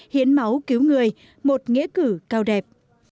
hiến máu cứu người một nghĩa cử cao đẹp